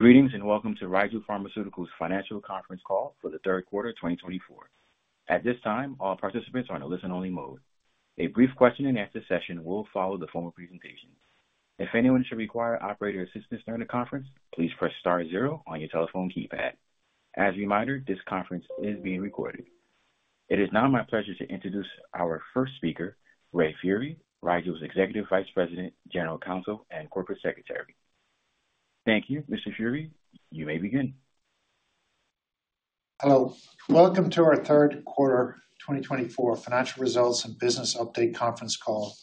Greetings and welcome to Rigel Pharmaceuticals' financial conference call for the third quarter of 2024. At this time, all participants are in a listen-only mode. A brief question-and-answer session will follow the formal presentation. If anyone should require operator assistance during the conference, please press star zero on your telephone keypad. As a reminder, this conference is being recorded. It is now my pleasure to introduce our first speaker, Ray Furey, Rigel's Executive Vice President, General Counsel, and Corporate Secretary. Thank you, Mr. Furey. You may begin. Hello. Welcome to our third quarter 2024 financial results and business update conference call.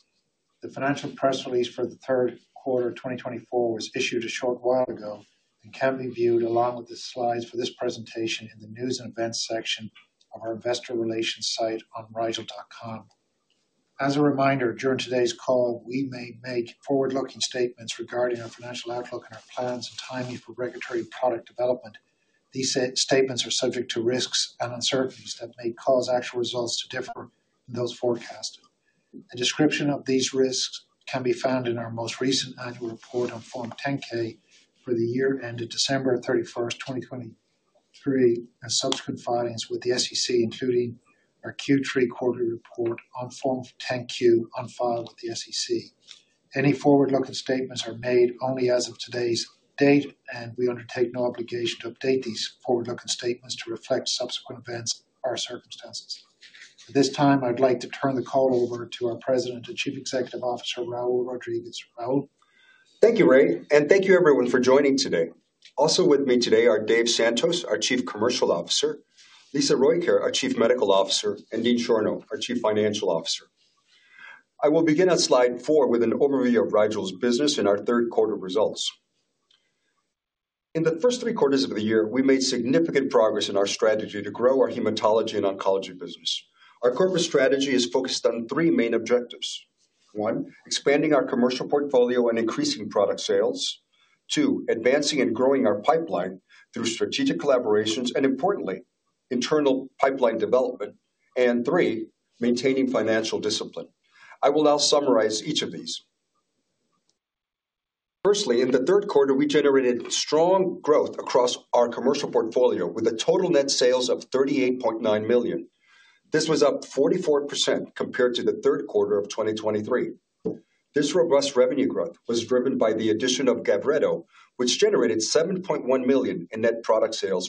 The financial press release for the third quarter 2024 was issued a short while ago and can be viewed along with the slides for this presentation in the news and events section of our investor relations site on rigel.com. As a reminder, during today's call, we may make forward-looking statements regarding our financial outlook and our plans and timing for regulatory product development. These statements are subject to risks and uncertainties that may cause actual results to differ from those forecasted. A description of these risks can be found in our most recent annual report on Form 10-K for the year ended December 31st, 2023, and subsequent filings with the SEC, including our Q3 quarterly report on Form 10-Q on file with the SEC. Any forward-looking statements are made only as of today's date, and we undertake no obligation to update these forward-looking statements to reflect subsequent events or circumstances. At this time, I'd like to turn the call over to our President and Chief Executive Officer, Raul Rodriguez. Raul. Thank you, Ray, and thank you, everyone, for joining today. Also with me today are Dave Santos, our Chief Commercial Officer, Lisa Rojkjaer, our Chief Medical Officer, and Dean Schorno, our Chief Financial Officer. I will begin at slide four with an overview of Rigel's business and our third quarter results. In the first three quarters of the year, we made significant progress in our strategy to grow our hematology and oncology business. Our corporate strategy is focused on three main objectives: one, expanding our commercial portfolio and increasing product sales, two, advancing and growing our pipeline through strategic collaborations and, importantly, internal pipeline development, and three, maintaining financial discipline. I will now summarize each of these. Firstly, in the third quarter, we generated strong growth across our commercial portfolio with a total net sales of $38.9 million. This was up 44% compared to the third quarter of 2023. This robust revenue growth was driven by the addition of Gavreto, which generated $7.1 million in net product sales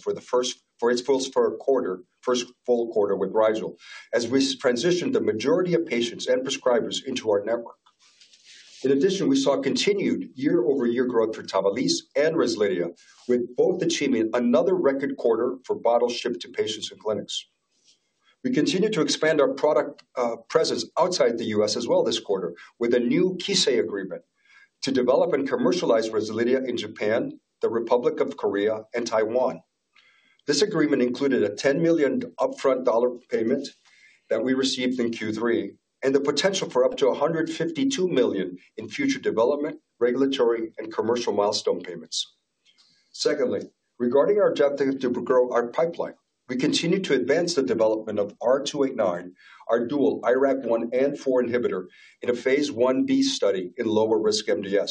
for its first full quarter with Rigel, as we transitioned the majority of patients and prescribers into our network. In addition, we saw continued year-over-year growth for Tavalisse and Rezlidhia, with both achieving another record quarter for bottles shipped to patients and clinics. We continue to expand our product presence outside the U.S. as well this quarter with a new Kissei agreement to develop and commercialize Rezlidhia in Japan, the Republic of Korea, and Taiwan. This agreement included a $10 million upfront payment that we received in Q3 and the potential for up to $152 million in future development, regulatory, and commercial milestone payments. Secondly, regarding our objective to grow our pipeline, we continue to advance the development of R289, our dual IRAK1 and 4 inhibitor in a phase I-B study in lower-risk MDS.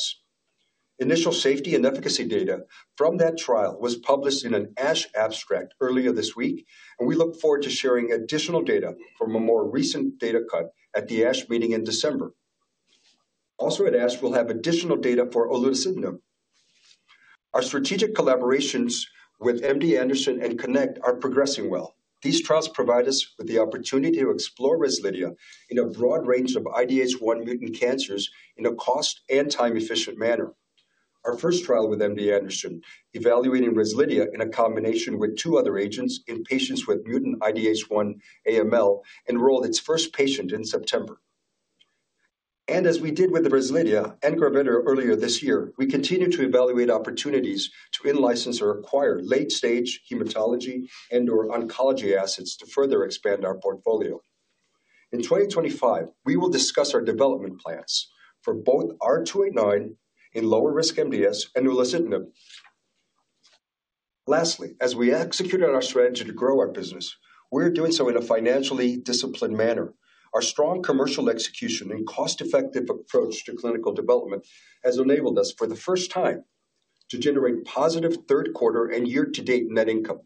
Initial safety and efficacy data from that trial was published in an ASH abstract earlier this week, and we look forward to sharing additional data from a more recent data cut at the ASH meeting in December. Also, at ASH, we'll have additional data for olutasidenib. Our strategic collaborations with MD Anderson and CONNECT are progressing well. These trials provide us with the opportunity to explore Rezlidhia in a broad range of IDH1 mutant cancers in a cost and time-efficient manner. Our first trial with MD Anderson, evaluating Rezlidhia in a combination with two other agents in patients with mutant IDH1 AML, enrolled its first patient in September. And as we did with the Rezlidhia and Gavreto earlier this year, we continue to evaluate opportunities to in-license or acquire late-stage hematology and/or oncology assets to further expand our portfolio. In 2025, we will discuss our development plans for both R289 in lower-risk MDS and olutasidenib. Lastly, as we execute on our strategy to grow our business, we're doing so in a financially disciplined manner. Our strong commercial execution and cost-effective approach to clinical development has enabled us, for the first time, to generate positive third-quarter and year-to-date net income.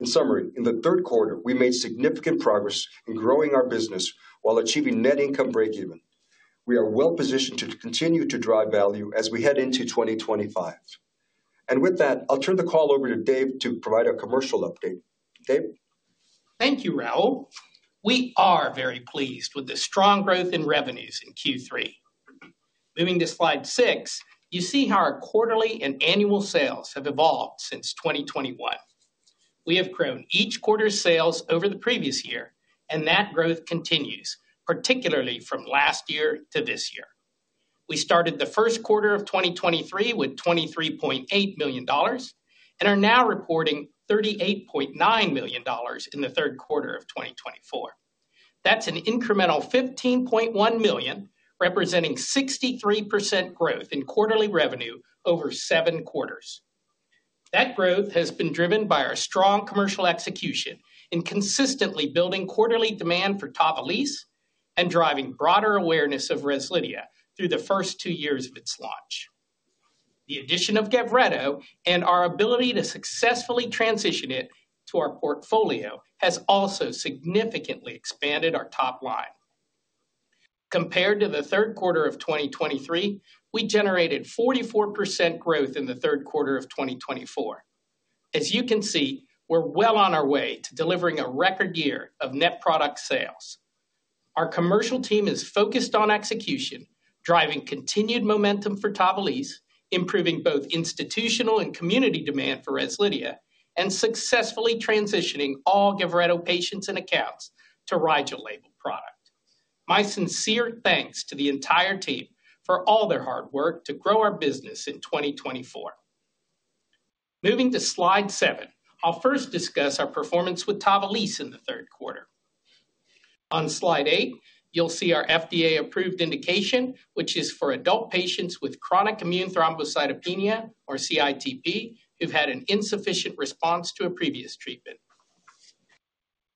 In summary, in the third quarter, we made significant progress in growing our business while achieving net income break-even. We are well-positioned to continue to drive value as we head into 2025. And with that, I'll turn the call over to Dave to provide a commercial update. Dave? Thank you, Raul. We are very pleased with the strong growth in revenues in Q3. Moving to Slide 6, you see how our quarterly and annual sales have evolved since 2021. We have grown each quarter's sales over the previous year, and that growth continues, particularly from last year to this year. We started the first quarter of 2023 with $23.8 million and are now reporting $38.9 million in the third quarter of 2024. That's an incremental $15.1 million, representing 63% growth in quarterly revenue over seven quarters. That growth has been driven by our strong commercial execution in consistently building quarterly demand for Tavalisse and driving broader awareness of Rezlidhia through the first two years of its launch. The addition of Gavreto and our ability to successfully transition it to our portfolio has also significantly expanded our top line. Compared to the third quarter of 2023, we generated 44% growth in the third quarter of 2024. As you can see, we're well on our way to delivering a record year of net product sales. Our commercial team is focused on execution, driving continued momentum for Tavalisse, improving both institutional and community demand for Rezlidhia, and successfully transitioning all Gavreto patients and accounts to Rigel label product. My sincere thanks to the entire team for all their hard work to grow our business in 2024. Moving to Slide 7, I'll first discuss our performance with Tavalisse in the third quarter. On Slide 8, you'll see our FDA-approved indication, which is for adult patients with chronic immune thrombocytopenia, or cITP, who've had an insufficient response to a previous treatment.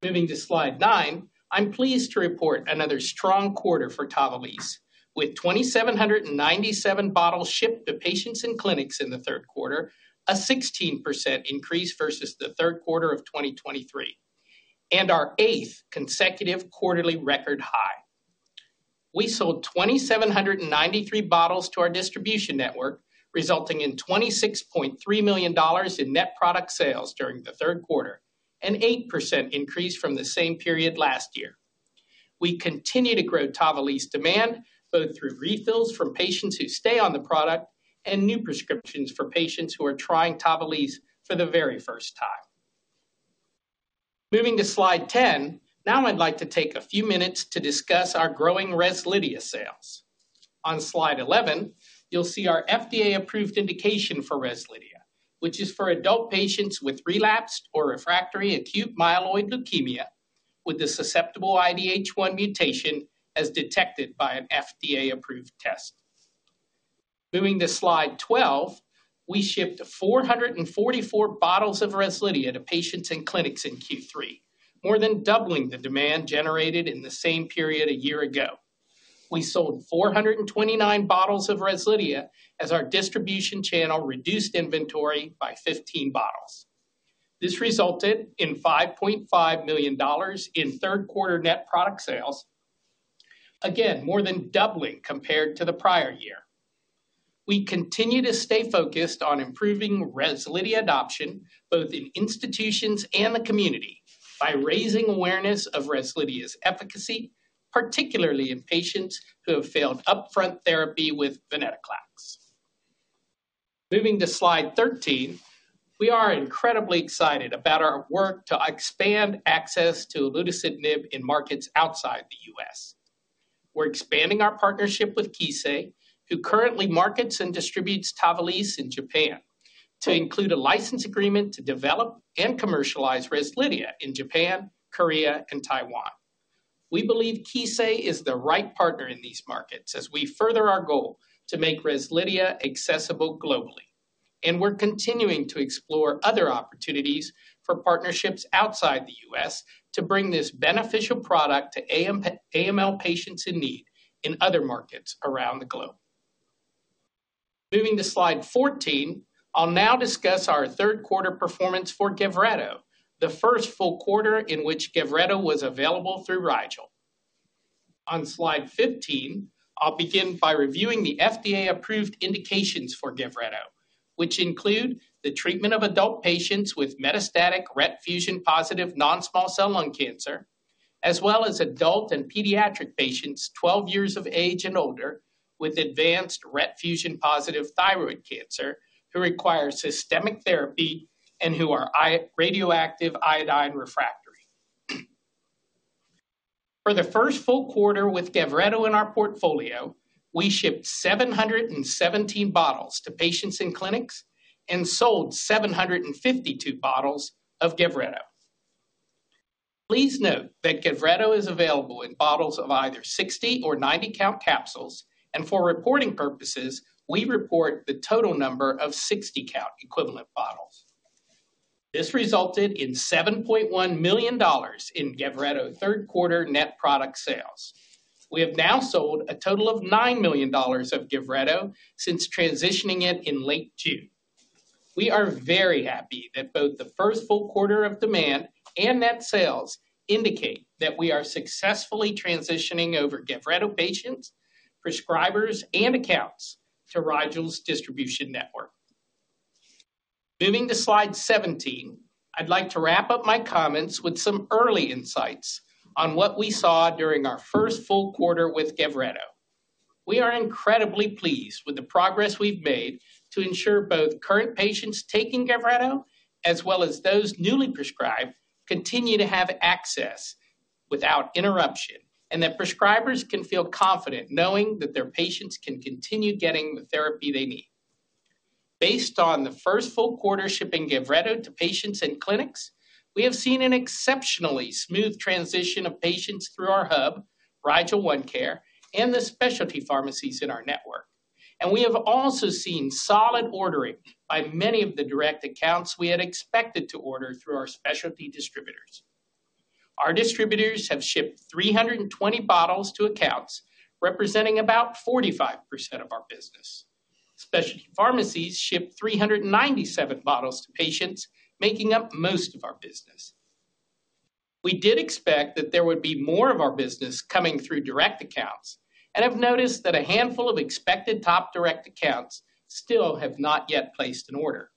Moving to Slide 9, I'm pleased to report another strong quarter for Tavalisse, with 2,797 bottles shipped to patients and clinics in the third quarter, a 16% increase versus the third quarter of 2023, and our eighth consecutive quarterly record high. We sold 2,793 bottles to our distribution network, resulting in $26.3 million in net product sales during the third quarter, an 8% increase from the same period last year. We continue to grow Tavalisse demand, both through refills from patients who stay on the product and new prescriptions for patients who are trying Tavalisse for the very first time. Moving to slide ten, now I'd like to take a few minutes to discuss our growing Rezlidhia sales. On Slide 11, you'll see our FDA-approved indication for Rezlidhia, which is for adult patients with relapsed or refractory acute myeloid leukemia with the susceptible IDH1 mutation as detected by an FDA-approved test. Moving to Slide 12, we shipped 444 bottles of Rezlidhia to patients and clinics in Q3, more than doubling the demand generated in the same period a year ago. We sold 429 bottles of Rezlidhia as our distribution channel reduced inventory by 15 bottles. This resulted in $5.5 million in third-quarter net product sales, again, more than doubling compared to the prior year. We continue to stay focused on improving Rezlidhia adoption, both in institutions and the community, by raising awareness of Rezlidhia's efficacy, particularly in patients who have failed upfront therapy with venetoclax. Moving to Slide 13, we are incredibly excited about our work to expand access to olutasidenib in markets outside the U.S. We're expanding our partnership with Kissei, who currently markets and distributes Tavalisse in Japan, to include a license agreement to develop and commercialize Rezlidhia in Japan, Korea, and Taiwan. We believe Kissei is the right partner in these markets as we further our goal to make Rezlidhia accessible globally. And we're continuing to explore other opportunities for partnerships outside the U.S. to bring this beneficial product to AML patients in need in other markets around the globe. Moving to Slide 14, I'll now discuss our third quarter performance for Gavreto, the first full quarter in which Gavreto was available through Rigel. On Slide 15, I'll begin by reviewing the FDA-approved indications for Gavreto, which include the treatment of adult patients with metastatic RET fusion-positive non-small cell lung cancer, as well as adult and pediatric patients 12 years of age and older with advanced RET fusion-positive thyroid cancer who require systemic therapy and who are radioactive iodine refractory. For the first full quarter with Gavreto in our portfolio, we shipped 717 bottles to patients and clinics and sold 752 bottles of Gavreto. Please note that Gavreto is available in bottles of either 60 or 90-count capsules, and for reporting purposes, we report the total number of 60-count equivalent bottles. This resulted in $7.1 million in Gavreto third-quarter net product sales. We have now sold a total of $9 million of Gavreto since transitioning it in late June. We are very happy that both the first full quarter of demand and net sales indicate that we are successfully transitioning over Gavreto patients, prescribers, and accounts to Rigel's distribution network. Moving to Slide 17, I'd like to wrap up my comments with some early insights on what we saw during our first full quarter with Gavreto. We are incredibly pleased with the progress we've made to ensure both current patients taking Gavreto, as well as those newly prescribed, continue to have access without interruption and that prescribers can feel confident knowing that their patients can continue getting the therapy they need. Based on the first full quarter shipping Gavreto to patients and clinics, we have seen an exceptionally smooth transition of patients through our hub, Rigel OneCare, and the specialty pharmacies in our network. We have also seen solid ordering by many of the direct accounts we had expected to order through our specialty distributors. Our distributors have shipped 320 bottles to accounts, representing about 45% of our business. Specialty pharmacies shipped 397 bottles to patients, making up most of our business. We did expect that there would be more of our business coming through direct accounts and have noticed that a handful of expected top direct accounts still have not yet placed an order.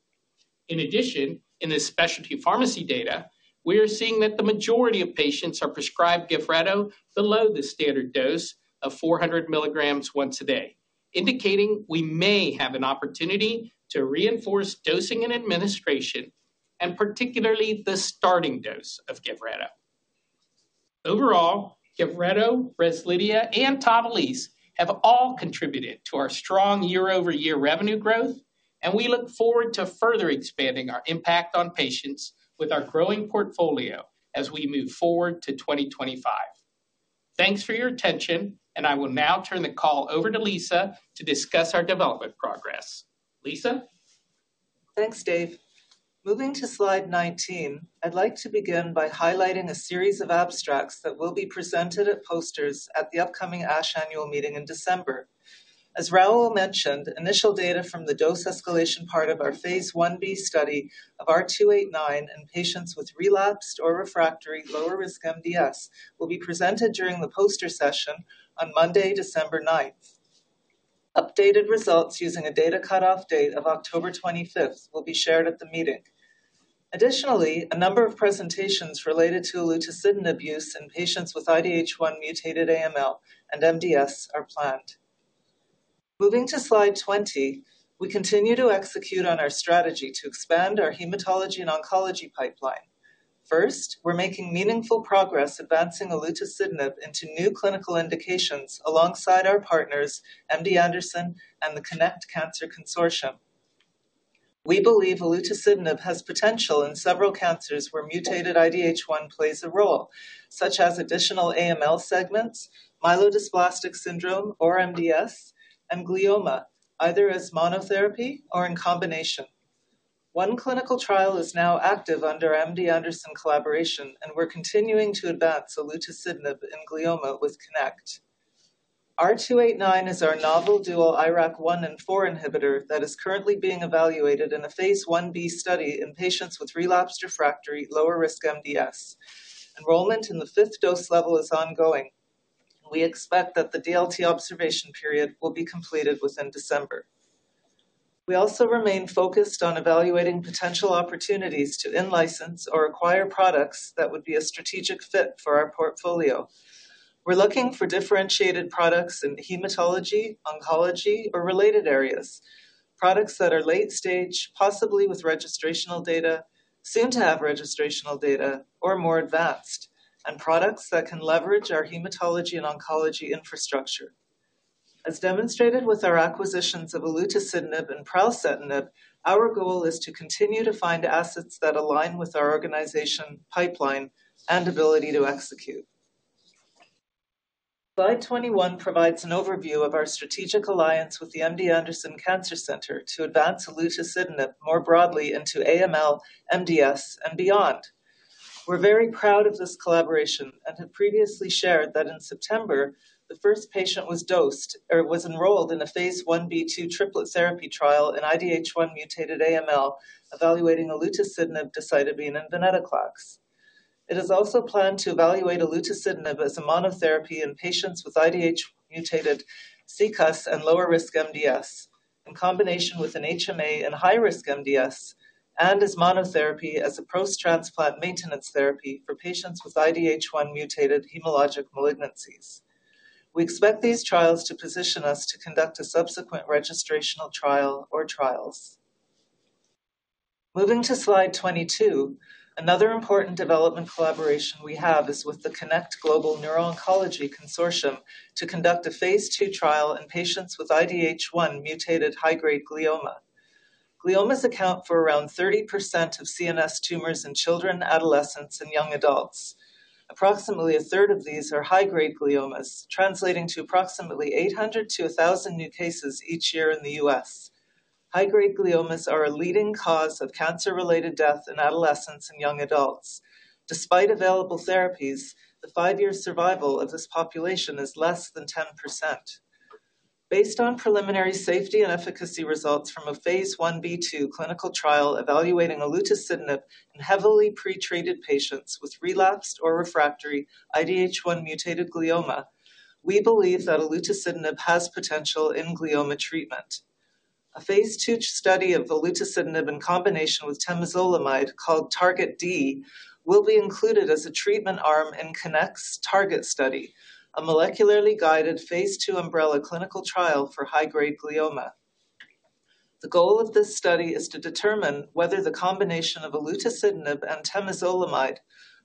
In addition, in the specialty pharmacy data, we are seeing that the majority of patients are prescribed Gavreto below the standard dose of 400 mg once a day, indicating we may have an opportunity to reinforce dosing and administration, and particularly the starting dose of Gavreto. Overall, Gavreto, Rezlidhia, and Tavalisse have all contributed to our strong year-over-year revenue growth, and we look forward to further expanding our impact on patients with our growing portfolio as we move forward to 2025. Thanks for your attention, and I will now turn the call over to Lisa to discuss our development progress. Lisa? Thanks, Dave. Moving to Slide 19, I'd like to begin by highlighting a series of abstracts that will be presented at posters at the upcoming ASH annual meeting in December. As Raul mentioned, initial data from the dose escalation part of our phase 1-B study of R289 in patients with relapsed or refractory lower-risk MDS will be presented during the poster session on Monday, December 9th. Updated results using a data cutoff date of October 25th will be shared at the meeting. Additionally, a number of presentations related to olutasidenib use in patients with IDH1 mutated AML and MDS are planned. Moving to Slide 20, we continue to execute on our strategy to expand our hematology and oncology pipeline. First, we're making meaningful progress advancing olutasidenib into new clinical indications alongside our partners, MD Anderson and the CONNECT Cancer Consortium. We believe olutasidenib has potential in several cancers where mutated IDH1 plays a role, such as additional AML segments, myelodysplastic syndrome, or MDS, and glioma, either as monotherapy or in combination. One clinical trial is now active under MD Anderson collaboration, and we're continuing to advance olutasidenib and glioma with CONNECT. R289 is our novel dual IRAK1/4 inhibitor that is currently being evaluated in a phase 1-B study in patients with relapsed refractory lower-risk MDS. Enrollment in the fifth dose level is ongoing, and we expect that the DLT observation period will be completed within December. We also remain focused on evaluating potential opportunities to in-license or acquire products that would be a strategic fit for our portfolio. We're looking for differentiated products in hematology, oncology, or related areas, products that are late-stage, possibly with registrational data, soon to have registrational data, or more advanced, and products that can leverage our hematology and oncology infrastructure. As demonstrated with our acquisitions of olutasidenib and pralsetinib, our goal is to continue to find assets that align with our organization pipeline and ability to execute. Slide 21 provides an overview of our strategic alliance with the MD Anderson Cancer Center to advance olutasidenib more broadly into AML, MDS, and beyond. We're very proud of this collaboration and have previously shared that in September, the first patient was enrolled in a phase I-B/II triplet therapy trial in IDH1 mutated AML evaluating olutasidenib, decitabine, and venetoclax. It is also planned to evaluate olutasidenib as a monotherapy in patients with IDH mutated CCUS and lower-risk MDS, in combination with an HMA in high-risk MDS, and as monotherapy as a post-transplant maintenance therapy for patients with IDH1 mutated hematologic malignancies. We expect these trials to position us to conduct a subsequent registrational trial or trials. Moving to Slide 22, another important development collaboration we have is with the CONNECT Global Neurooncology Consortium to conduct a phase II trial in patients with IDH1 mutated high-grade glioma. Gliomas account for around 30% of CNS tumors in children, adolescents, and young adults. Approximately a third of these are high-grade gliomas, translating to approximately 800-1,000 new cases each year in the U.S. High-grade gliomas are a leading cause of cancer-related death in adolescents and young adults. Despite available therapies, the five-year survival of this population is less than 10%. Based on preliminary safety and efficacy results from a phase I-B/II clinical trial evaluating olutasidenib in heavily pretreated patients with relapsed or refractory IDH1 mutated glioma, we believe that olutasidenib has potential in glioma treatment. A phase II study of olutasidenib in combination with temozolomide called TARGET-D will be included as a treatment arm in CONNECT's TARGET study, a molecularly guided phase II umbrella clinical trial for high-grade glioma. The goal of this study is to determine whether the combination of olutasidenib and temozolomide,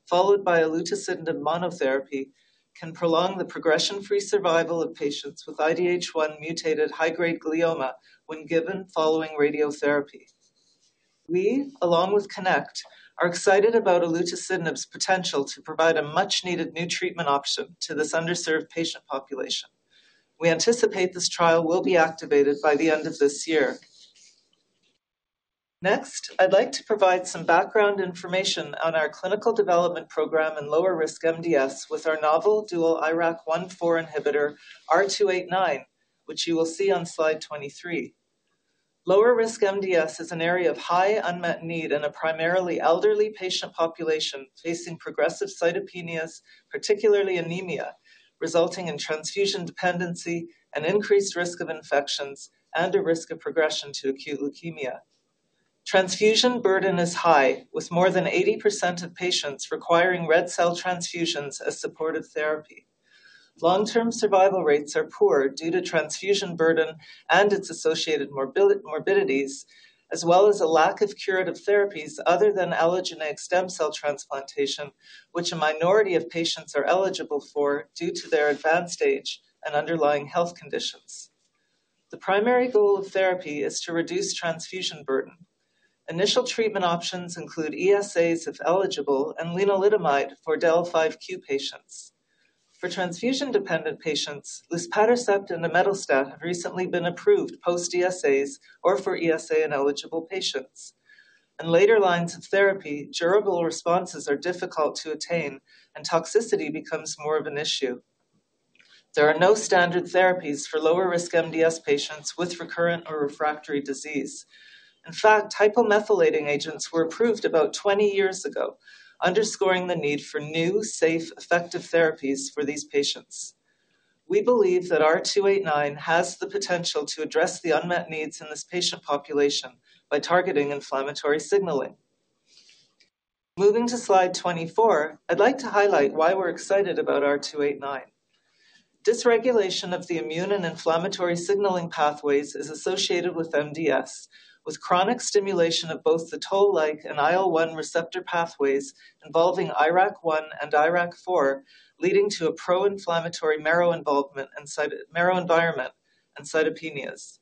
followed by olutasidenib monotherapy, can prolong the progression-free survival of patients with IDH1 mutated high-grade glioma when given following radiotherapy. We, along with CONNECT, are excited about olutasidenib's potential to provide a much-needed new treatment option to this underserved patient population. We anticipate this trial will be activated by the end of this year. Next, I'd like to provide some background information on our clinical development program in lower-risk MDS with our novel dual IRAK1/4 inhibitor R289, which you will see on Slide 23. Lower-risk MDS is an area of high unmet need in a primarily elderly patient population facing progressive cytopenias, particularly anemia, resulting in transfusion dependency and increased risk of infections and a risk of progression to acute leukemia. Transfusion burden is high, with more than 80% of patients requiring red cell transfusions as supportive therapy. Long-term survival rates are poor due to transfusion burden and its associated morbidities, as well as a lack of curative therapies other than allogeneic stem cell transplantation, which a minority of patients are eligible for due to their advanced age and underlying health conditions. The primary goal of therapy is to reduce transfusion burden. Initial treatment options include ESAs if eligible and lenalidomide for del(5q) patients. For transfusion-dependent patients, luspatercept and imetelstat have recently been approved post-ESAs or for ESA-ineligible patients. In later lines of therapy, durable responses are difficult to attain and toxicity becomes more of an issue. There are no standard therapies for lower-risk MDS patients with recurrent or refractory disease. In fact, hypomethylating agents were approved about 20 years ago, underscoring the need for new, safe, effective therapies for these patients. We believe that R289 has the potential to address the unmet needs in this patient population by targeting inflammatory signaling. Moving to Slide 24, I'd like to highlight why we're excited about R289. Dysregulation of the immune and inflammatory signaling pathways is associated with MDS, with chronic stimulation of both the toll-like and IL-1 receptor pathways involving IRAK1 and IRAK4, leading to a pro-inflammatory marrow environment and cytopenias.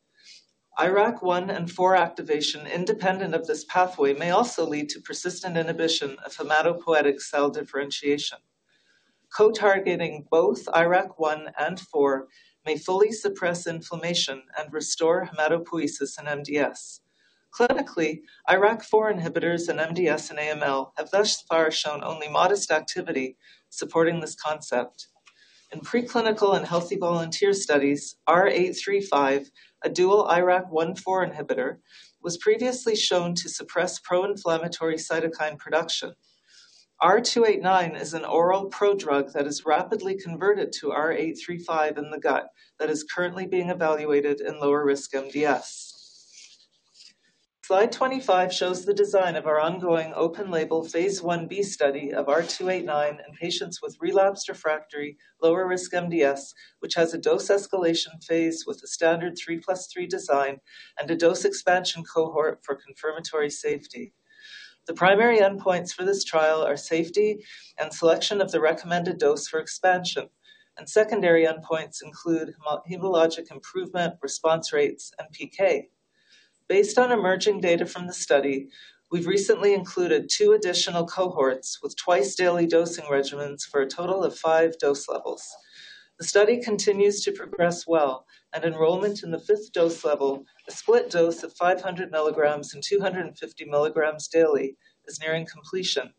IRAK1 and 4 activation independent of this pathway may also lead to persistent inhibition of hematopoietic cell differentiation. Co-targeting both IRAK1 and 4 may fully suppress inflammation and restore hematopoiesis in MDS. Clinically, IRAK4 inhibitors in MDS and AML have thus far shown only modest activity supporting this concept. In preclinical and healthy volunteer studies, R835, a dual IRAK1/4 inhibitor, was previously shown to suppress pro-inflammatory cytokine production. R289 is an oral pro-drug that is rapidly converted to R835 in the gut that is currently being evaluated in lower-risk MDS. Slide 25 shows the design of our ongoing open-label phase I-B study of R289 in patients with relapsed refractory lower-risk MDS, which has a dose escalation phase with a standard 3+3 design and a dose expansion cohort for confirmatory safety. The primary endpoints for this trial are safety and selection of the recommended dose for expansion, and secondary endpoints include hematologic improvement, response rates, and PK. Based on emerging data from the study, we've recently included two additional cohorts with twice-daily dosing regimens for a total of five dose levels. The study continues to progress well, and enrollment in the fifth dose level, a split dose of 500 mg and 250 mg daily, is nearing completion.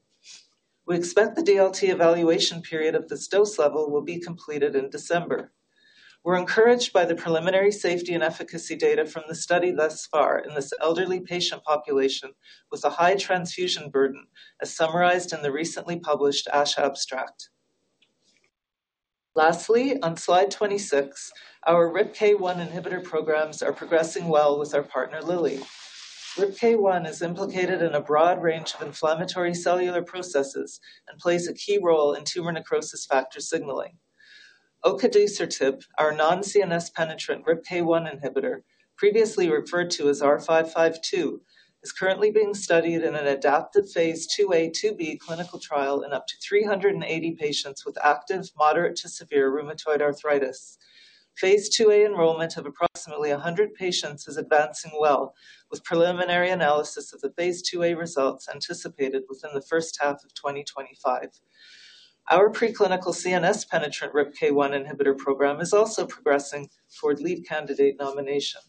We expect the DLT evaluation period of this dose level will be completed in December. We're encouraged by the preliminary safety and efficacy data from the study thus far in this elderly patient population with a high transfusion burden, as summarized in the recently published ASH abstract. Lastly, on Slide 26, our RIPK1 inhibitor programs are progressing well with our partner, Lilly. RIPK1 is implicated in a broad range of inflammatory cellular processes and plays a key role in tumor necrosis factor signaling. Ocadacertib, our non-CNS penetrant RIPK1 inhibitor, previously referred to as R552, is currently being studied in an adaptive phase II-A/II-B clinical trial in up to 380 patients with active, moderate-to-severe rheumatoid arthritis. Phase II-A enrollment of approximately 100 patients is advancing well, with preliminary analysis of the phase II-A results anticipated within the first half of 2025. Our preclinical CNS penetrant RIPK1 inhibitor program is also progressing toward lead candidate nomination.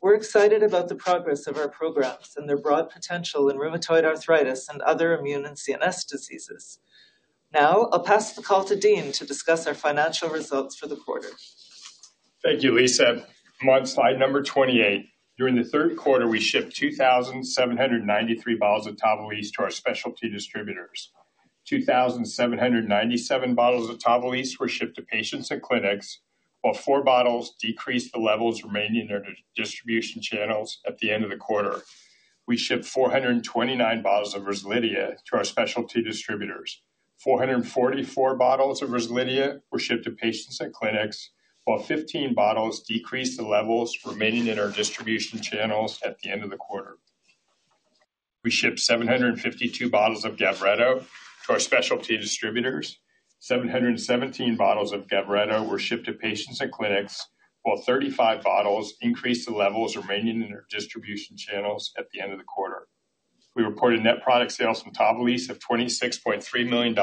We're excited about the progress of our programs and their broad potential in rheumatoid arthritis and other immune and CNS diseases. Now, I'll pass the call to Dean to discuss our financial results for the quarter. Thank you, Lisa. On Slide number 28, during the third quarter, we shipped 2,793 bottles of Tavalisse to our specialty distributors. 2,797 bottles of Tavalisse were shipped to patients and clinics, while four bottles decreased the levels remaining in their distribution channels at the end of the quarter. We shipped 429 bottles of Rezlidhia to our specialty distributors. 444 bottles of Rezlidhia were shipped to patients and clinics, while 15 bottles decreased the levels remaining in our distribution channels at the end of the quarter. We shipped 752 bottles of Gavreto to our specialty distributors. 717 bottles of Gavreto were shipped to patients and clinics, while 35 bottles increased the levels remaining in our distribution channels at the end of the quarter. We reported net product sales from Tavalisse of $26.3 million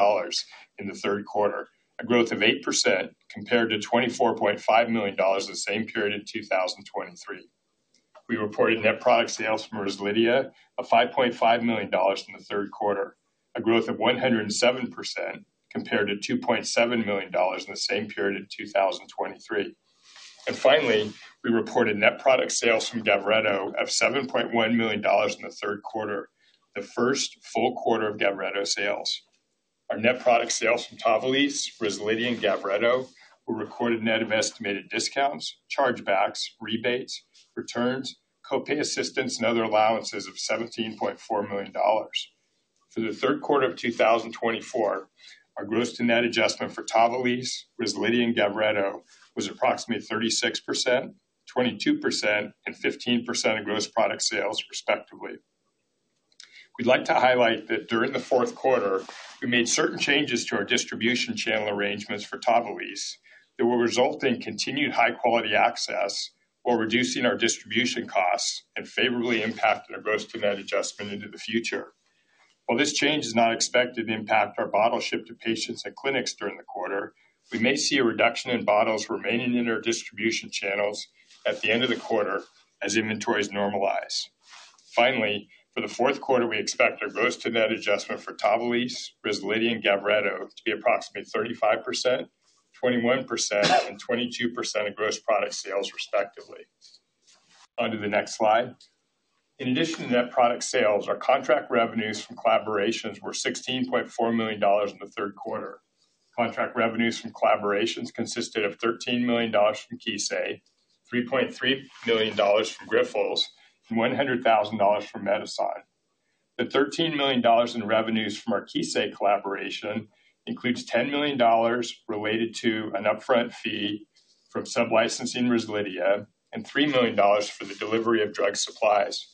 in the third quarter, a growth of 8% compared to $24.5 million in the same period in 2023. We reported net product sales from Rezlidhia of $5.5 million in the third quarter, a growth of 107% compared to $2.7 million in the same period in 2023. Finally, we reported net product sales from Gavreto of $7.1 million in the third quarter, the first full quarter of Gavreto sales. Our net product sales from Tavalisse, Rezlidhia, and Gavreto were recorded net of estimated discounts, chargebacks, rebates, returns, copay assistance, and other allowances of $17.4 million. For the third quarter of 2024, our gross-to-net adjustment for Tavalisse, Rezlidhia, and Gavreto was approximately 36%, 22%, and 15% of gross product sales, respectively. We'd like to highlight that during the fourth quarter, we made certain changes to our distribution channel arrangements for Tavalisse that will result in continued high-quality access while reducing our distribution costs and favorably impacting our gross-to-net adjustment into the future. While this change is not expected to impact our bottle shipment to patients and clinics during the quarter, we may see a reduction in bottles remaining in our distribution channels at the end of the quarter as inventories normalize. Finally, for the fourth quarter, we expect our gross-to-net adjustment for Tavalisse, Rezlidhia, and Gavreto to be approximately 35%, 21%, and 22% of gross product sales, respectively. On to the next slide. In addition to net product sales, our contract revenues from collaborations were $16.4 million in the third quarter. Contract revenues from collaborations consisted of $13 million from Kissei, $3.3 million from Grifols, and $100,000 from Medison. The $13 million in revenues from our Kissei collaboration includes $10 million related to an upfront fee from sub-licensing Rezlidhia and $3 million for the delivery of drug supplies.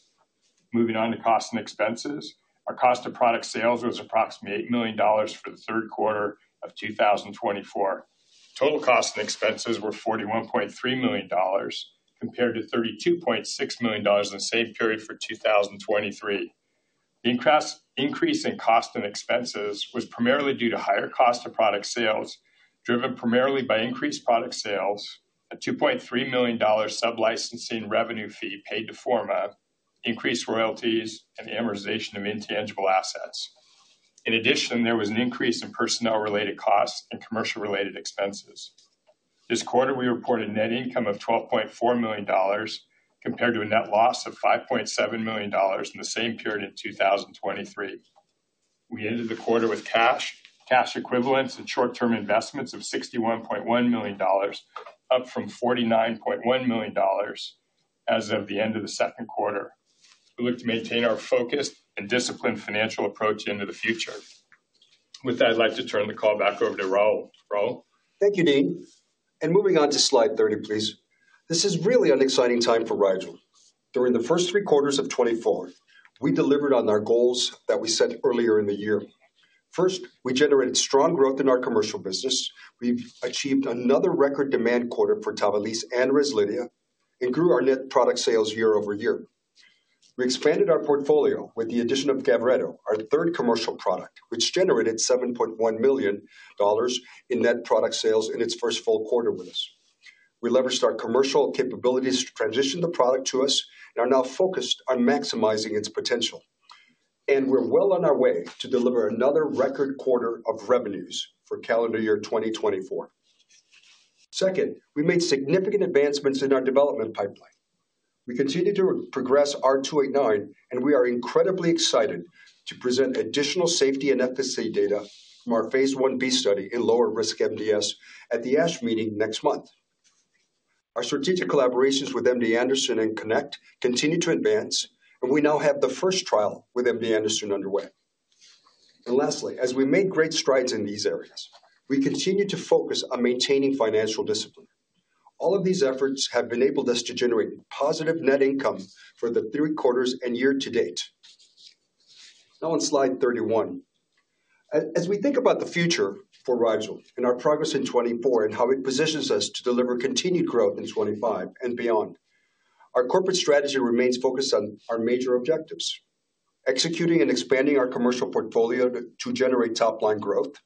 Moving on to cost and expenses, our cost of product sales was approximately $8 million for the third quarter of 2024. Total cost and expenses were $41.3 million compared to $32.6 million in the same period for 2023. The increase in cost and expenses was primarily due to higher cost of product sales, driven primarily by increased product sales, a $2.3 million sub-licensing revenue fee paid to Forma, increased royalties, and amortization of intangible assets. In addition, there was an increase in personnel-related costs and commercial-related expenses. This quarter, we reported net income of $12.4 million compared to a net loss of $5.7 million in the same period in 2023. We ended the quarter with cash, cash equivalents, and short-term investments of $61.1 million, up from $49.1 million as of the end of the second quarter. We look to maintain our focused and disciplined financial approach into the future. With that, I'd like to turn the call back over to Raul. Raul? Thank you, Dean. Moving on to Slide 30, please. This is really an exciting time for Rigel. During the first three quarters of 2024, we delivered on our goals that we set earlier in the year. First, we generated strong growth in our commercial business. We've achieved another record demand quarter for Tavalisse and Rezlidhia and grew our net product sales year-over-year. We expanded our portfolio with the addition of Gavreto, our third commercial product, which generated $7.1 million in net product sales in its first full quarter with us. We leveraged our commercial capabilities to transition the product to us and are now focused on maximizing its potential. We're well on our way to deliver another record quarter of revenues for calendar year 2024. Second, we made significant advancements in our development pipeline. We continue to progress R289, and we are incredibly excited to present additional safety and efficacy data from our phase I-B study in lower-risk MDS at the ASH meeting next month. Our strategic collaborations with MD Anderson and CONNECT continue to advance, and we now have the first trial with MD Anderson underway. And lastly, as we made great strides in these areas, we continue to focus on maintaining financial discipline. All of these efforts have enabled us to generate positive net income for the three quarters and year to date. Now, on Slide 31, as we think about the future for Rigel and our progress in 2024 and how it positions us to deliver continued growth in 2025 and beyond, our corporate strategy remains focused on our major objectives: executing and expanding our commercial portfolio to generate top-line growth,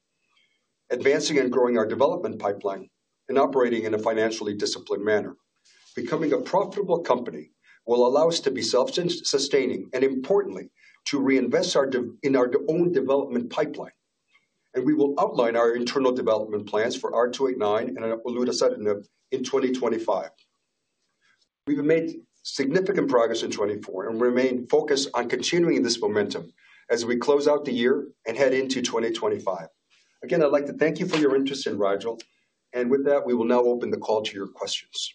advancing and growing our development pipeline, and operating in a financially disciplined manner. Becoming a profitable company will allow us to be self-sustaining and, importantly, to reinvest in our own development pipeline. And we will outline our internal development plans for R289 and olutasidenib in 2025. We've made significant progress in 2024 and remain focused on continuing this momentum as we close out the year and head into 2025. Again, I'd like to thank you for your interest in Rigel. And with that, we will now open the call to your questions.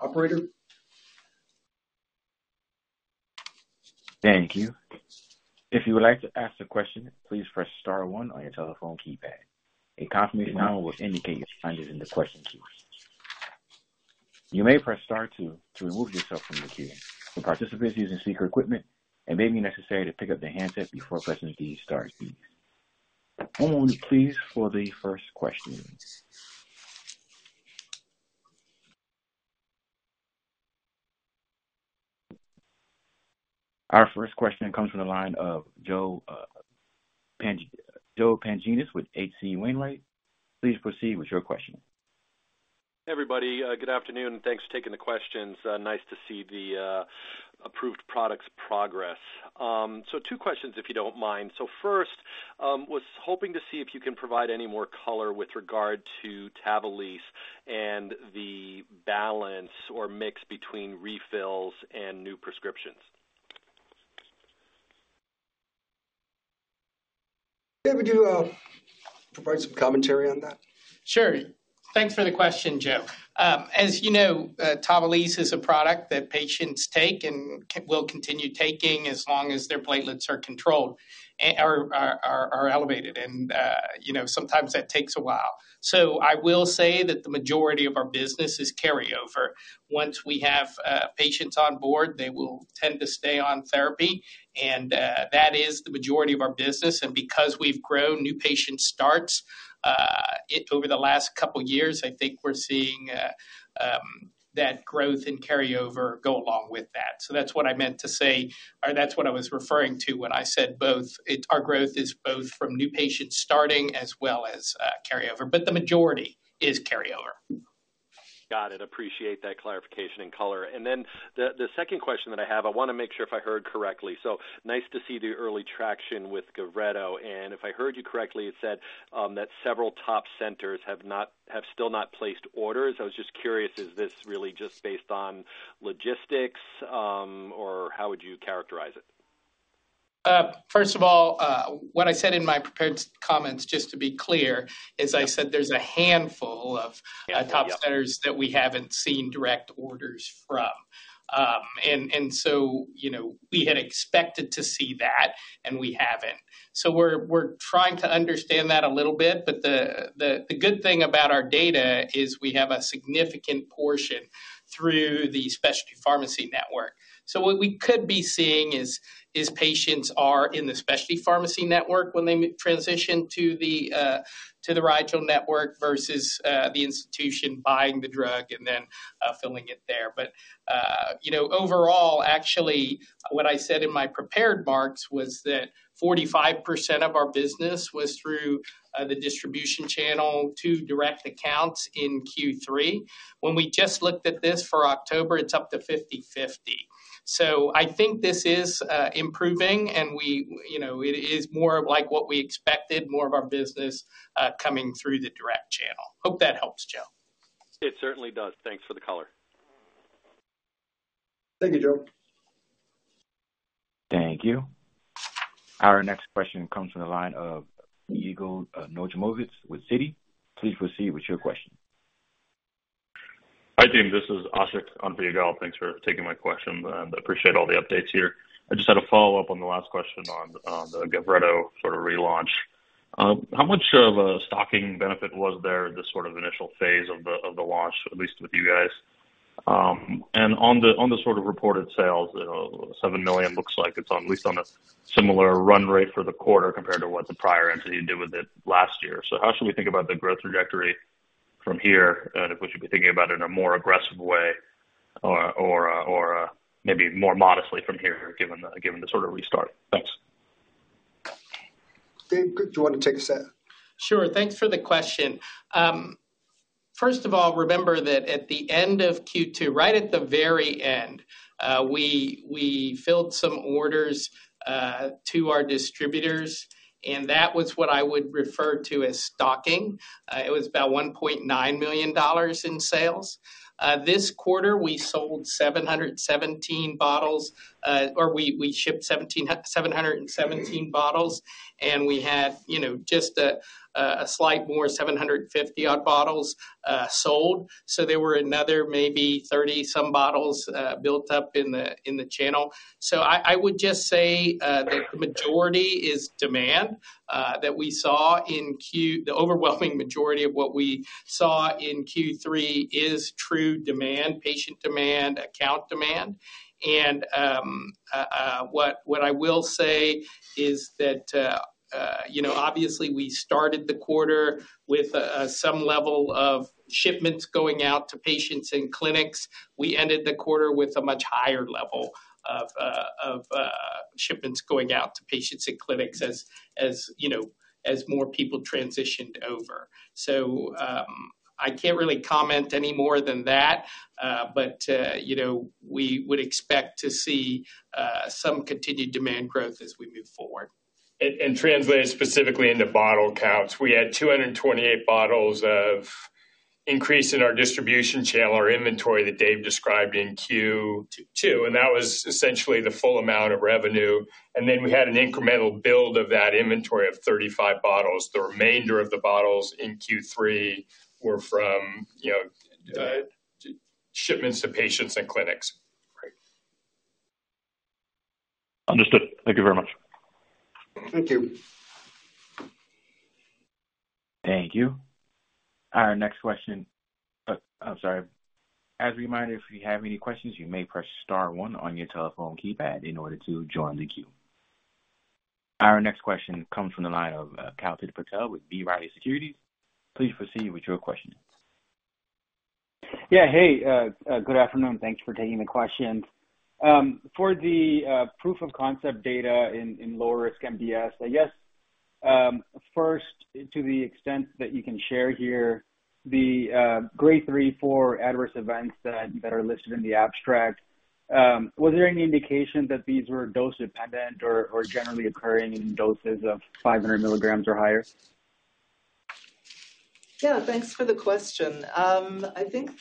Operator? Thank you. If you would like to ask a question, please press star one on your telephone keypad. A confirmation number will indicate your findings in the question key. You may press star two to remove yourself from the queue. For participants using speaker equipment, it may be necessary to pick up their handset before pressing these star keys. One moment, please, for the first question. Our first question comes from the line of Joe Pantginis with H.C. Wainwright. Please proceed with your question. Hey, everybody. Good afternoon, and thanks for taking the questions. Nice to see the approved products progress. Two questions, if you don't mind. First, was hoping to see if you can provide any more color with regard to Tavalisse and the balance or mix between refills and new prescriptions. Dave, would you provide some commentary on that? Sure. Thanks for the question, Joe. As you know, Tavalisse is a product that patients take and will continue taking as long as their platelets are controlled or elevated, and sometimes that takes a while, so I will say that the majority of our business is carryover. Once we have patients on board, they will tend to stay on therapy, and that is the majority of our business. And because we've grown new patient starts over the last couple of years, I think we're seeing that growth and carryover go along with that, so that's what I meant to say, or that's what I was referring to when I said both. Our growth is both from new patients starting as well as carryover, but the majority is carryover. Got it. Appreciate that clarification and color. And then the second question that I have, I want to make sure if I heard correctly. So nice to see the early traction with Gavreto. And if I heard you correctly, it said that several top centers have still not placed orders. I was just curious, is this really just based on logistics, or how would you characterize it? First of all, what I said in my prepared comments, just to be clear, is I said there's a handful of top centers that we haven't seen direct orders from. And so we had expected to see that, and we haven't. So we're trying to understand that a little bit. But the good thing about our data is we have a significant portion through the specialty pharmacy network. So what we could be seeing is patients are in the specialty pharmacy network when they transition to the Rigel network versus the institution buying the drug and then filling it there. But overall, actually, what I said in my prepared remarks was that 45% of our business was through the distribution channel to direct accounts in Q3. When we just looked at this for October, it's up to 50/50. So I think this is improving, and it is more of like what we expected, more of our business coming through the direct channel. Hope that helps, Joe. It certainly does. Thanks for the color. Thank you, Joe. Thank you. Our next question comes from the line of Yigal Nochomovitz with Citi. Please proceed with your question. Hi, Dean. This is Ashiq on for Yigal. Thanks for taking my question, and I appreciate all the updates here. I just had a follow-up on the last question on the Gavreto sort of relaunch. How much of a stocking benefit was there this sort of initial phase of the launch, at least with you guys? And on the sort of reported sales, $7 million looks like it's at least on a similar run rate for the quarter compared to what the prior entity did with it last year. So how should we think about the growth trajectory from here? And if we should be thinking about it in a more aggressive way or maybe more modestly from here given the sort of restart? Thanks. Dean, do you want to take a Dave? Sure. Thanks for the question. First of all, remember that at the end of Q2, right at the very end, we filled some orders to our distributors. And that was what I would refer to as stocking. It was about $1.9 million in sales. This quarter, we sold 717 bottles, or we shipped 717 bottles. And we had just a slight more 750-odd bottles sold. So there were another maybe 30-some bottles built up in the channel. So I would just say that the majority is demand that we saw in Q. The overwhelming majority of what we saw in Q3 is true demand, patient demand, account demand. And what I will say is that, obviously, we started the quarter with some level of shipments going out to patients and clinics. We ended the quarter with a much higher level of shipments going out to patients and clinics as more people transitioned over. So I can't really comment any more than that. But we would expect to see some continued demand growth as we move forward. Translated specifically into bottle counts, we had 228 bottles of increase in our distribution channel, our inventory that Dave described in Q2. That was essentially the full amount of revenue. Then we had an incremental build of that inventory of 35 bottles. The remainder of the bottles in Q3 were from shipments to patients and clinics. Understood. Thank you very much. Thank you. Thank you. Our next question. I'm sorry. As a reminder, if you have any questions, you may press star one on your telephone keypad in order to join the queue. Our next question comes from the line of Kalpit Patel with B. Riley Securities. Please proceed with your question. Yeah. Hey, good afternoon. Thanks for taking the question. For the proof of concept data in lower-risk MDS, I guess, first, to the extent that you can share here, the grade 3 for adverse events that are listed in the abstract, was there any indication that these were dose-dependent or generally occurring in doses of 500 mg or higher? Yeah. Thanks for the question. I think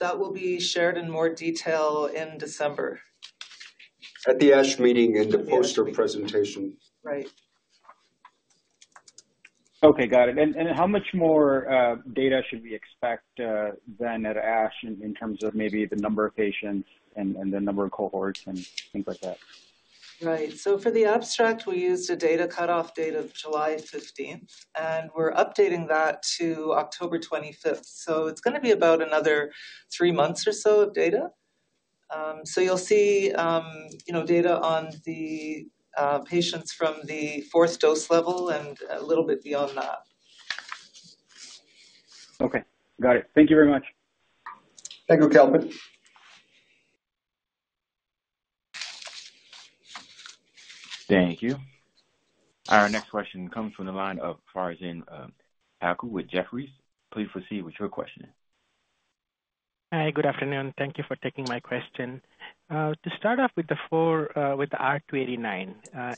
that will be shared in more detail in December. At the ASH meeting in the poster presentation. Right. Okay. Got it. And how much more data should we expect then at ASH in terms of maybe the number of patients and the number of cohorts and things like that? Right. So for the abstract, we used a data cutoff date of July 15th. And we're updating that to October 25th. So it's going to be about another three months or so of data. So you'll see data on the patients from the fourth dose level and a little bit beyond that. Okay. Got it. Thank you very much. Thank you, Kalpit. Thank you. Our next question comes from the line of Farzin Haque with Jefferies. Please proceed with your question. Hi. Good afternoon. Thank you for taking my question. To start off with the R289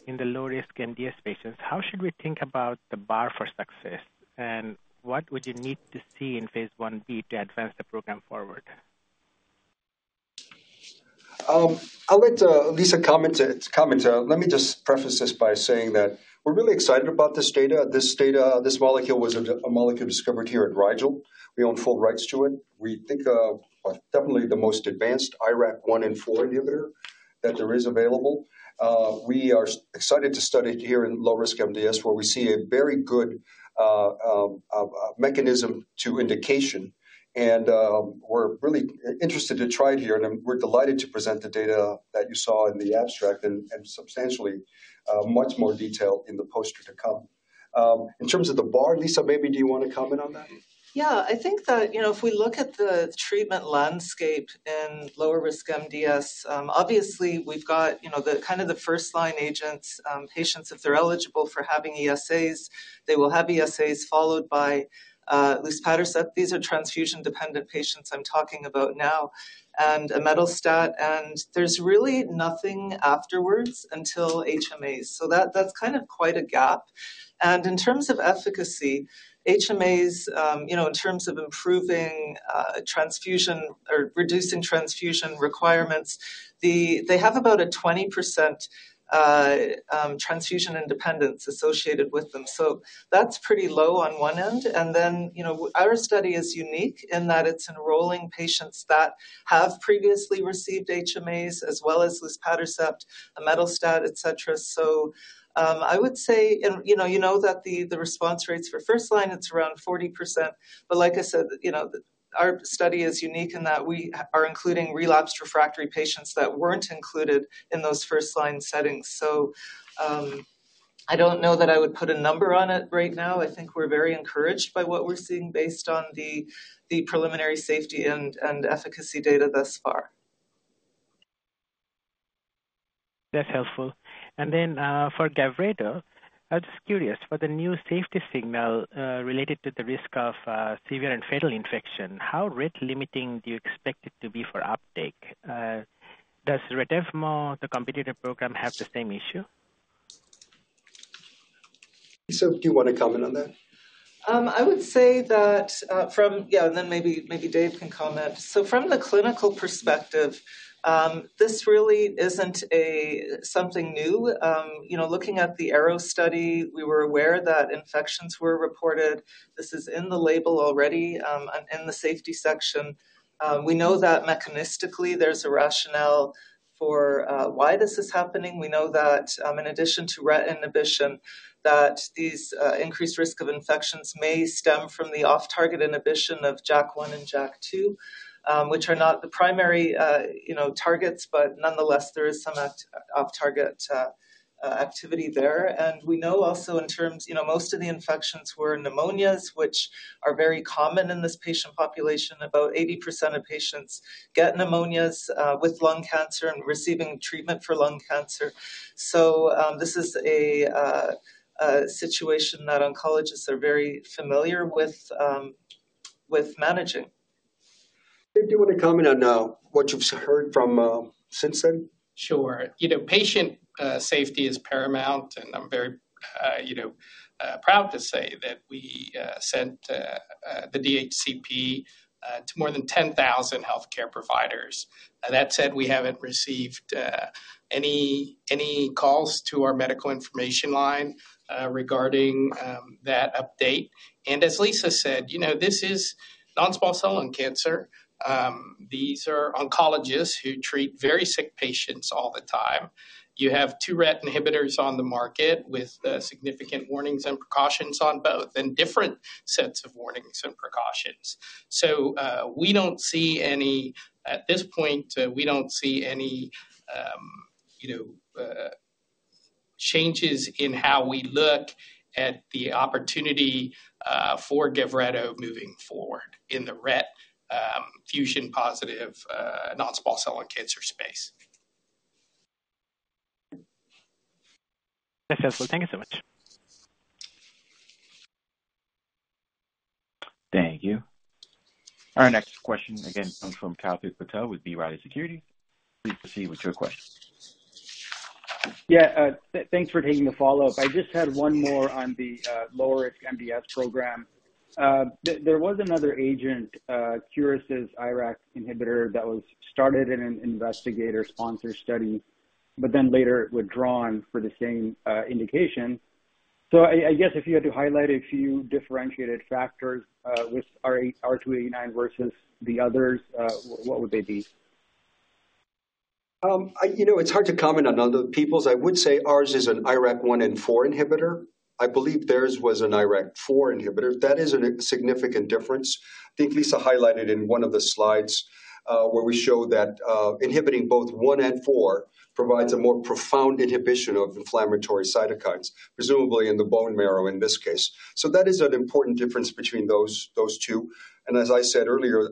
in the low-risk MDS patients, how should we think about the bar for success? And what would you need to see in phase I-B to advance the program forward? I'll let Lisa comment. Let me just preface this by saying that we're really excited about this data. This molecule was a molecule discovered here at Rigel. We own full rights to it. We think definitely the most advanced IRAK 1 and 4 inhibitor that there is available. We are excited to study it here in low-risk MDS, where we see a very good mechanism to indication. We're really interested to try it here. We're delighted to present the data that you saw in the abstract and substantially much more detail in the poster to come. In terms of the bar, Lisa, maybe do you want to comment on that? Yeah. I think that if we look at the treatment landscape in lower-risk MDS, obviously, we've got kind of the first-line agents. Patients, if they're eligible for having ESAs, they will have ESAs followed by luspatercept. These are transfusion-dependent patients I'm talking about now and Imetelstat. And there's really nothing afterwards until HMAs. So that's kind of quite a gap. And in terms of efficacy, HMAs, in terms of improving transfusion or reducing transfusion requirements, they have about a 20% transfusion independence associated with them. So that's pretty low on one end. And then our study is unique in that it's enrolling patients that have previously received HMAs as well as luspatercept, imetelstat, etc. So I would say you know that the response rates for first-line, it's around 40%. But like I said, our study is unique in that we are including relapsed refractory patients that weren't included in those first-line settings. So I don't know that I would put a number on it right now. I think we're very encouraged by what we're seeing based on the preliminary safety and efficacy data thus far. That's helpful. And then for Gavreto, I'm just curious, for the new safety signal related to the risk of severe and fatal infection, how rate-limiting do you expect it to be for uptake? Does Retevmo, the competitor program, have the same issue? Lisa, do you want to comment on that? I would say that from, and then maybe Dave can comment. So from the clinical perspective, this really isn't something new. Looking at the ARROW study, we were aware that infections were reported. This is in the label already in the safety section. We know that mechanistically there's a rationale for why this is happening. We know that in addition to RET inhibition, that these increased risk of infections may stem from the off-target inhibition of JAK1 and JAK2, which are not the primary targets. Nonetheless, there is some off-target activity there. And we know also in terms most of the infections were pneumonias, which are very common in this patient population. About 80% of patients get pneumonias with lung cancer and receiving treatment for lung cancer. So this is a situation that oncologists are very familiar with managing. Dave, do you want to comment on what you've heard from since then? Sure. Patient safety is paramount, and I'm very proud to say that we sent the DHCP to more than 10,000 healthcare providers. That said, we haven't received any calls to our medical information line regarding that update, and as Lisa said, this is non-small cell lung cancer. These are oncologists who treat very sick patients all the time. You have two RET inhibitors on the market with significant warnings and precautions on both and different sets of warnings and precautions, so we don't see any at this point. We don't see any changes in how we look at the opportunity for Gavreto moving forward in the RET fusion-positive non-small cell lung cancer space. That's helpful. Thank you so much. Thank you. Our next question, again, comes from Kalpit Patel with B. Riley Securities. Please proceed with your question. Yeah. Thanks for taking the follow-up. I just had one more on the lower-risk MDS program. There was another agent, Curis IRAK inhibitor, that was started in an investigator-sponsored study, but then later withdrawn for the same indication. So I guess if you had to highlight a few differentiated factors with R289 versus the others, what would they be? It's hard to comment on other people's. I would say ours is an IRAK 1 and 4 inhibitor. I believe theirs was an IRAK 4 inhibitor. That is a significant difference. I think Lisa highlighted in one of the slides where we show that inhibiting both 1 and 4 provides a more profound inhibition of inflammatory cytokines, presumably in the bone marrow in this case. So that is an important difference between those two. And as I said earlier,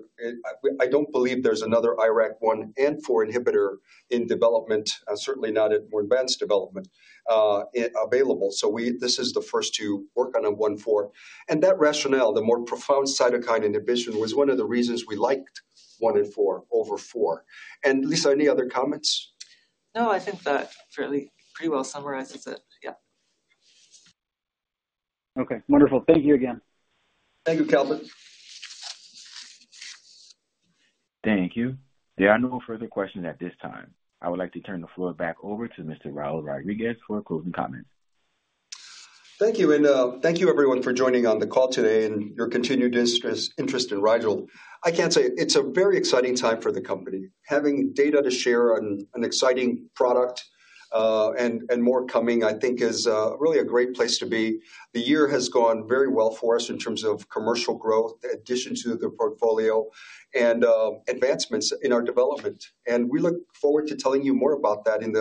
I don't believe there's another IRAK 1 and 4 inhibitor in development, certainly not at more advanced development available. So this is the first to work on a 1, 4. And that rationale, the more profound cytokine inhibition, was one of the reasons we liked 1 and 4 over 4. And Lisa, any other comments? No, I think that really pretty well summarizes it. Yeah. Okay. Wonderful. Thank you again. Thank you, Kalpit. Thank you. There are no further questions at this time. I would like to turn the floor back over to Mr. Raul Rodriguez for closing comments. Thank you. And thank you, everyone, for joining on the call today and your continued interest in Rigel. I can't say it's a very exciting time for the company. Having data to share on an exciting product and more coming, I think, is really a great place to be. The year has gone very well for us in terms of commercial growth, the addition to the portfolio, and advancements in our development. And we look forward to telling you more about that in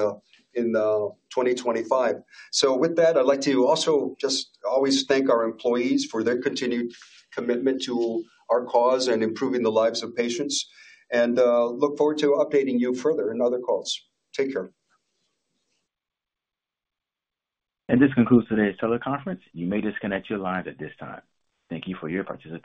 2025. So with that, I'd like to also just always thank our employees for their continued commitment to our cause and improving the lives of patients. And look forward to updating you further in other calls. Take care. This concludes today's teleconference. You may disconnect your lines at this time. Thank you for your participation.